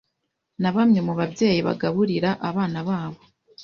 nabamwe mubabyeyi bagaburira abana babo